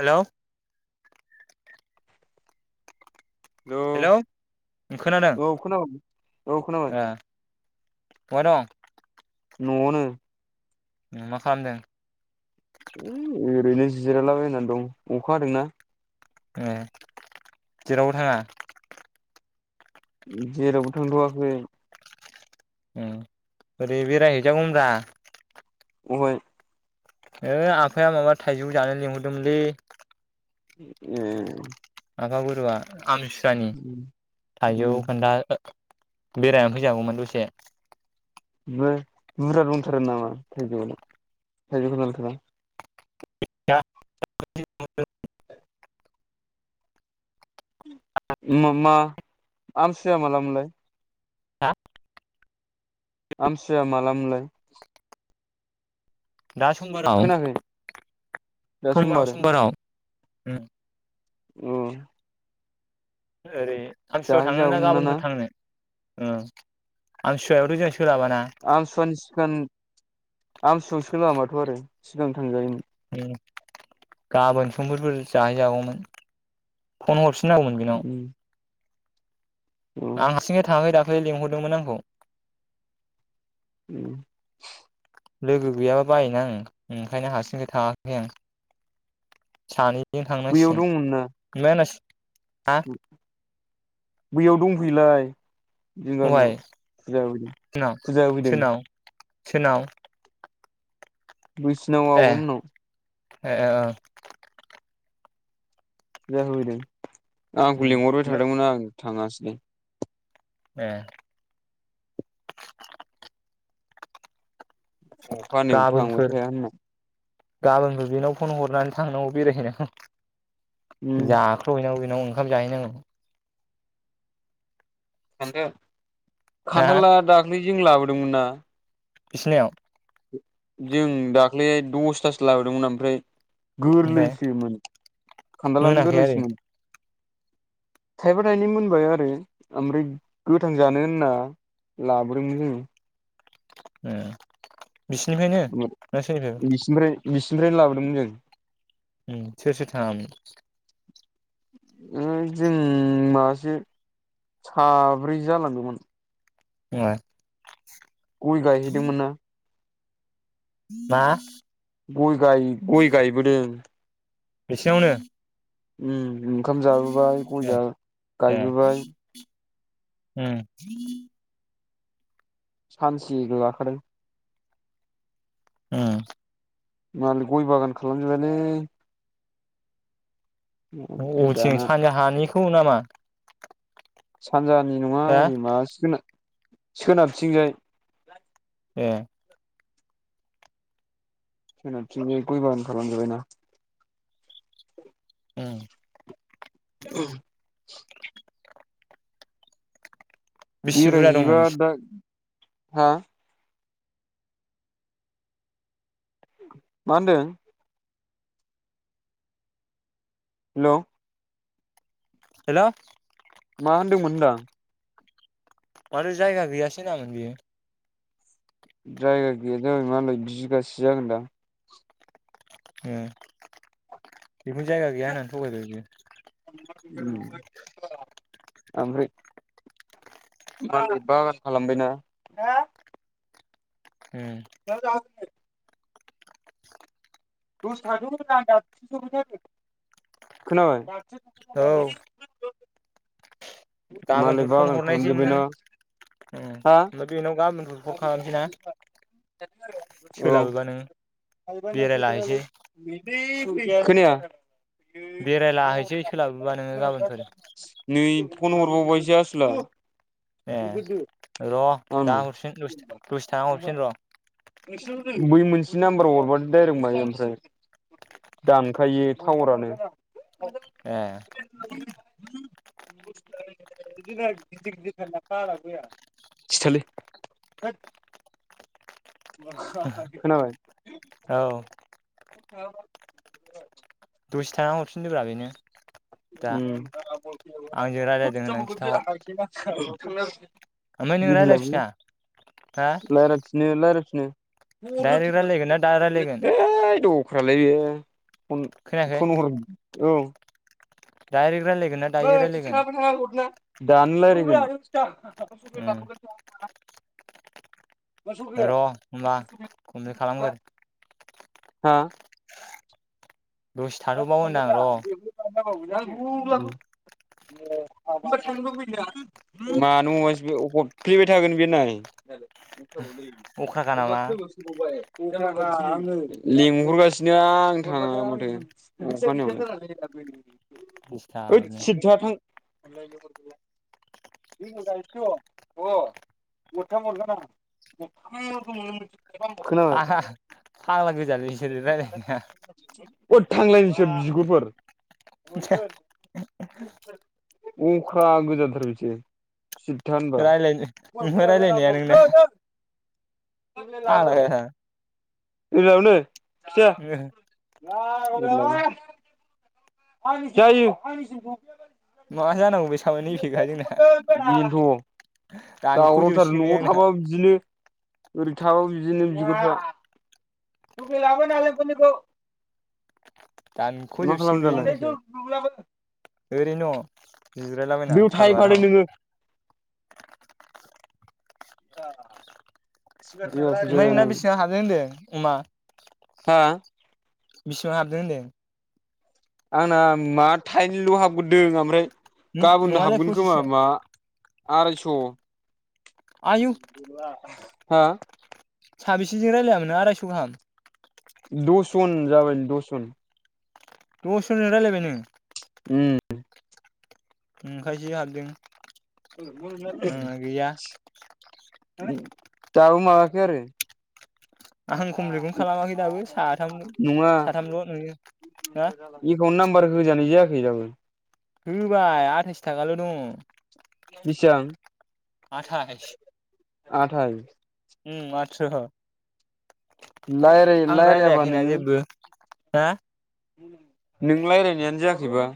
हेल' hello hello ओ खोनादों औ खोनाबाय औ खोनाबाय ओ बहा दं? न'आवनो। उम मा खालामदों? होइ ओरैनो जिरायलाबायनानै दं अखा हादोंना। ए जेरावबो थाङा? जेरावबो थांथ'वाखै। ओ ओरै बेरायहैजागौमोनब्रा। अहाय? है ओ आफाया माबा थाइजौ जानो लिंहरदोंमोनलै। ए आफा गुरुवा। आमथि सुवानि थाइजौ ओमफ्राय खान्थाल बेरायनानै फैजागौमोन दसे। बो बुर्जा दंथारो नामा थायजौआलाय [unintelligible] [unintelligible] मा मा आमथिसुवाया माला मोनलाय? हा आमथिसुवाया मालामोनलाय? दा समबाराव खोनाखै दा समबाराव समबार समबाराव। उम ओ। ओरै आमथिसुवायाव थांनो ना गाबोनफोर थांनो। ओ आमथिसुवायावथ जाहै आमथिसुवानि सिगां आमथिसुवायाव सोलाबाथ आरो सिगां थांजायोमोन। गाबोन समफोरफोर जाहैजागौमोन फन हरफि न नांगौ मोन बेनाव। उम औ आं हारसिङै थांआखै दा ख्लै लिंहरदोंमोन आंखौ। उम। लोगो गैयाबा बायोना आं ओंखायनो हारसिंखाय थाङाखै आं। सानै दिनै बैयाव दंमोन ना थांनांसिगोन [unintelligible] हा बैयाव दंफैयोलाय। जों गामियाव दहाय फुजा होफैदों सोरनाव फुजा होफैदों। सोरनाव सोरनाव। बैसिनाव ए आब'मोननाव। ए ओ ओं। जाहोदों। आंखौ लिंहरबाय थादोंमोन आं। थाङासिनो। ए अखा हानायाव थांबाय थाया होनना गाबोनबो बेनाव फन हरनानै थांनांगौ बेरायहैनांगौ उम जाख्र हैनांगौ बे न'आव ओंखाम जाहैनांगौ [unintelligible] हा खान्थालआ दाखलै जों लाबोदोंमोन ना? बिसिनाव जों दाख्लैहाय दसथासो लाबोदोंमोन ओमफ्राय ओमफ्राय गोरलैसोमोन खान्थालानो मोनाखै आरो गोरलैसोमोन थाइबा थाइनै मोनबाय आरो ओमफ्राय गोथां जानो होनना लाबोदोंमोन जोङो ए बिसिनिफ्रायनो ना सोरनिफ्राय बिसिनिफ्राय बिसिनिफ्रायनो लाबोदोंमोन जों उम सोर सोर थाङामोन जों मासे साब्रै जालांदोंमोन ए गय गायहैदोंमोन ना मा गय गाय गय गायबोदों बेसिनियावनो उम ओंखाम जाबोबाय गया गायबोबाय हम सानसे हो लाखादों हम मालाय गय बागान खालामजोबबायलै अबेथिं दाना सानजा हानि खौ नामा? सानजा नि नङा हो ओरै माबाथिं ओरै सोनाबथिंजाय ए सोनाब थिंजाय गय बागान खालाम जोबायना उम औ बेसि बुरजा दंमोन बेरायहैबा दा हा मा होनदों? हेल' हेल' मा होनदोंमोन होनदां माथो जायगा गैया सो होनामोन बेयो। जायगा गैया मालाय बिगासे जागोन दां। उम्म बेखोनो जायगा गैया होननानै थगायबाय बियो। ओमफ्राय मालाय बागान खालामबायना उम [unintelligible] [unintelligible] खोनाबाय औ [inaudible] मालाय गाबोनफोर बा फन बागान हरनायसै खालामजोब्बाय नोंनो ना उम हा ओमफ्राय बेनाव गाबोनफोर फन खालामसै ना औ। सोलाबोबा नोङो बेरायलाहैसै खोनाया बेरायलाहैसै सोलाबोबा नोङो गाबोनफोर। नै फन हरबावबायसो आसोला। ए र' दा हरफिन दसे दसे थाना हरफिन र'। बै मोनसे नाम्बाराव हरबादो डाइरेक्ट माइ ओमफ्राय दानखायो टावारानो। ए [inaudible] इदिनो गिदिर गिदिर बाला आना गया सिथालै थोथ। खोनाबाय औ [inaudible] दसे थाना हरफिनदोब्रा बेनो। दा उम्म आंजों रायलायदों होननानै खिन्थाहर [inaudible] ओमफ्राय नों गिहि लाबोलै रायलायफिना हा लायरथिनो लाराय डाइरेक्ट रायलायगोन ना दा रायलायगोन नो [inaudible] थै [unintelligible] फन फन हर औ दायरेख रायलाय। बा थांङा बा थांङा हरना। दानो रायलायगोन उम [inaudible] र' होनोमबा खननै खालामगोर। हा दसे थाथ'बाव होनां र'। [unintelligible] मानो अइस ब हरथेबाय थागोन बे नाय। अख्राखा अबेबा नामा खोम सोबावबाय। [unintelligible] लिंहरगासिनो आं थांङा माथो। [inaudible] ओइद दिसथाबनो सिददा थां। [unintelligible] खोनाबाय फांग्ला गोजालै बिसोर रायलारनाया। अद थांलाय नोंसोर बिगुरफोर। [unintelligible] अख्रा गोजाथार बिसोर। सिरिथा होनबा रायलायनो ओमफ्राय [inaudible] फाग्लाजाबायदां। अबेयावनो। [unintelligible] लावरा। जायो। [unintelligible] माबा जानांगौ बे साबा नैबेखा जोंना बेनोथ'। दावरावथार दानख'जोबसिगोन न'आव बे आंना थाबाबो बिदिनो। ओरै थाबाबो बिदिनो बिगुरफोरा [unintelligible] दानख'जोबसिगोन बे जोंनिखौ ओरैनो दङ। जिरायलाबायना बेयाव थाहैफादो कालभाराव। नोङो [unintelligible] नोंना जोलैनि बेसेबां हाबदों होनदों। मा? हा। बेसेबां हाबदों होनदों? आंना मा थाइनैल' हाबग्रोदों ओमफ्राय। गाबोननो नङालाय हाबगोन खोमा पसिसजों मा। आरायस'। आयौ उम गैला। हा। साबेसेजों रायज्लायामोन नों आरायस' गाहाम। दसजन जाबाय दसजन। दसजनजों रायज्लायबाय नों। उम। ओंखायसो हाबदों। आंना गैया [unintelligible] दाबो माबायाखै आरो? आं खमप्लिटखौनो खालामाखै दाबो साथाम [unintelligible] नङा साथामल' नोङो हा गिबियावनो नाम [unintelligible] जायाखै दाबो। होबाय आथाइस थाखाल दङ। बेसेबां? आथाइस आथाइ उम आतसाह। लायराय लायरायाबानो जेबो हा नों रायजलायनायानो जायाखैबा।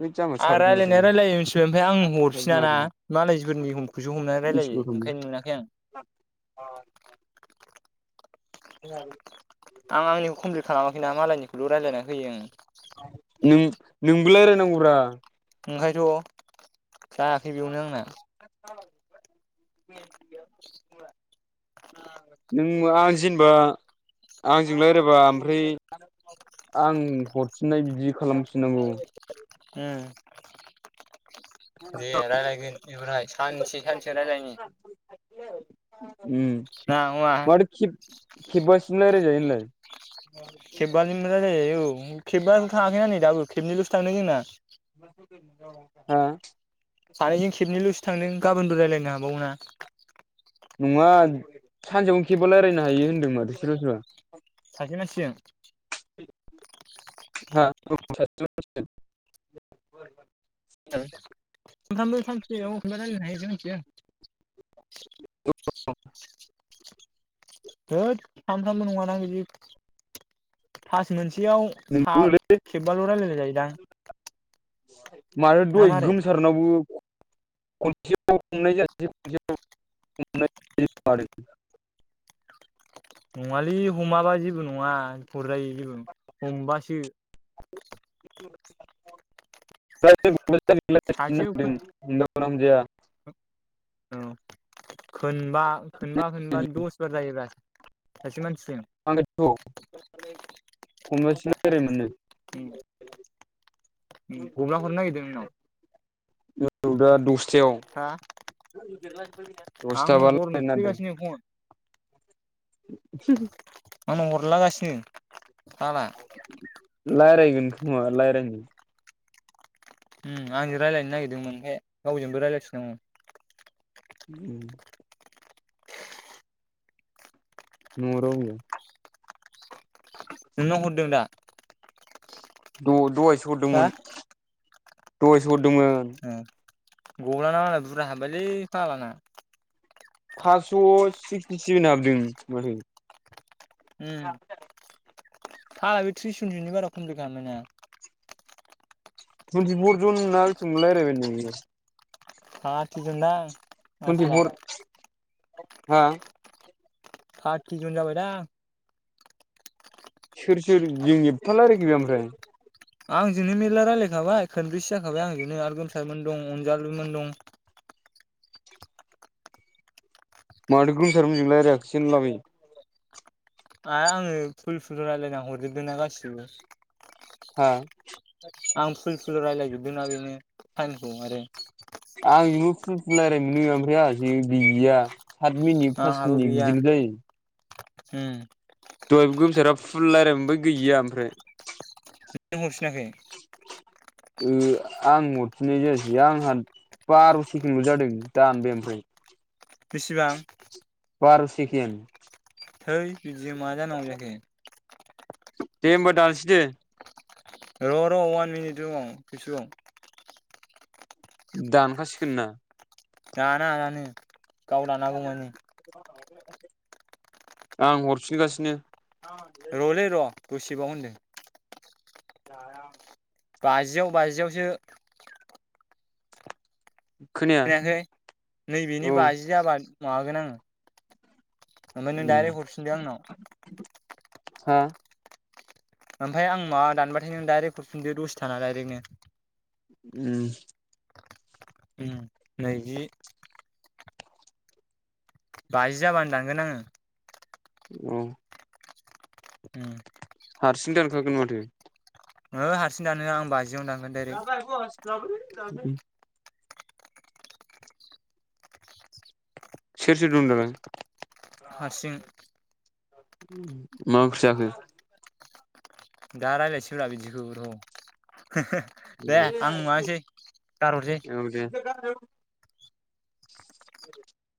है जाम्बा आं रायलायनाया सालबिमारिनि रायलायो मिथिबाय ओमफाय आं हरफिनाना सालबिमारिनि मालायफोरनि हमखौस हमनानै रायलायो मिथिगौ खोमा ओंखायनो मोनाखै आं। [inaudible] आं आंनिखौ खम्फिट खालामाखैना मालायनिखौल रायलायना होयो आङो। लाराय नांगौब्रा ओंखायोथ जायाखै बेयावनो आंना। [inaudible] बेयाव नों आं जेनबा आंजों रायलायबा ओमफ्राय आं हरफिननाय बिदि खालामफिननांगौ। उम [inaudible] दे रायलायगोन एबारहाय सानसे सानसे रायलायनि हेलौ [inaudible] उम ना नङा माथो खेब-खेबासिम रायलाय जायो। लाय खेबा जोंनो रालाय जायो औ। उम खेबायानो थाङाखै ना दाबोेनै खेबनैल स थांदों जोंना [inaudible] हा सानै जों खिबनैलुस - थांदों गाबोनबो रायलायनो हाबाव ना? नङा सानसेयावनो खेबा रायल्लायनो हायो होन्दों मादथो सोरबा सोरबा। बेनासजों [inaudible] ओं [unintelligible] सानसेयाव रायलायनो हायो जों [unintelligible] औ। होद सानफ्रामबो नङाना बिदि फास मोनसे याव सा नंगौलै खेबबाल' रायज्लाय जायोदां! [inaudible] माथो ना दहाय मारै गोमसारनावबो [unintelligible] नङालै हमाबा जेबो नङा हुरजायो जेबो हमबासो। [unintelligible] सासेयाव खो [unintelligible] सोमजाया औ। खोनबा खोनबा खोनबा दस बार जायोब्रा सासे मानसि आंगथ' [unintelligible] खनबासिम बेरायमोननो ओम गब्ला हरनो नायगिरदों नोंनाव? औ दा दस सेव हा आंनाव हरफैगासिनो फन [unintelligible] आंनाव हरलागासिनो साला रायलायगोन खोमा रायलायो ओम आंजों रायलायनो नागिरदोंमोन फाय गावजोंबो रायलायफिननांगौनो ओम उम नुवा रावबो। [unintelligible] नोंनाव हरदों दा द दहायसो हरदोंमोन। हो दहायसो हरदोंमोन दोंमोन गल्बाना मालाय बुरजा हाबबायलै फाग्लाना फासस' सिक्सटिसेभेन हाबदों मारै उम था बे थ्रिस जन जनिबो बारा खमफ्लिथ खालामबायना। थुनथिफरजन ना बेसेबां लारायबायनो बियो। [unintelligible] दां आसोला। टुइन्टिफर हा थाथिजन जाबाय दां। सोर सोर जों एबफा रालायखो बे ओमफ्राय। आंजोनो मेरला रालायखाबाय खोनब्रैसो जाखाबाय आंजोंनो आरो गोमसारमोन दं अनजलिुमोन दं। माथो गोमसारमोनजों लायाखैसो होनलाबायो। आर आङो फुल फुल रायलायना हरजोबदों ना गासिबो। हा। आं फुल फु ल रायज्लायजोबदोंना बेनो टाइमखौ आरो। आं जोंबो फुफु रायलायनो मोनो ओमफ्राय आंहासो गैया। सात मिनिक फास मिनिक बिदिल जायो। हुम। दहायबो गोमसारा फुल लायरायनो मोनबाय गैया ओमफ्राय। [unintelligible] हरफिनाखै। ओ आं हरफिननाय जायासै आंहा बार' सेकेन्डल' जादों दानबाय ओमफ्राय। बेसेबां? बार' सेकेन्ड। थै बिदिजों मा जानांगौ जाखो। दे होमबा दानोसै दे। र' र' अवान मिनिट दङ खेबसेबाव। दानखासिगोन ना। दाना दानो। गाव दानागौ मानि। आं हरफिनगासिनो। र' लै र'। दसेबाव होनदों। [inaudible] बाजियाव बाजियावसो। खोनाया खोनायाखै नैबेनि औ बाजि जाबा मागोन आङो। ओमफाय नों दाइरेक हरफिनदो आंनाव। हा। ओमफाय आं माबा दानाबाथाय नों दायरेक हरफिनदो दसे थाना दाइरेकनो। उम। उम नैजि बाजि जाबानो दानगोन आंङो। औ उम हारसिं दानखागोन माथो। हो हारसिं दानहोआ आं बाजि जि आवनो दानगोन दायरेक। [unintelligible] सेर सोर दं दालाय? हारसिं मा ओंख्रि जाखो? दा रायलायसैरा बिदिखौ र' दे आं मासै गारहरसै औ [unintelligible]